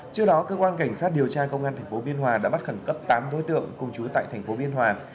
trước đó cơ quan cảnh sát điều tra công an tp biên hòa đã bắt khẩn cấp tám đối tượng cùng chú tại thành phố biên hòa